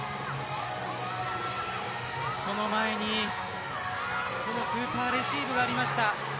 その前にこのスーパーレシーブがありました。